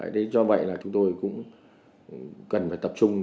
thế do vậy là chúng tôi cũng cần phải tập trung